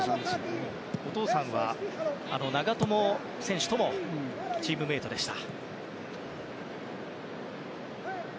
お父さんは長友選手ともチームメートでした。